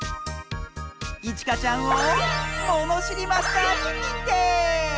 いちかちゃんをものしりマスターににんてい！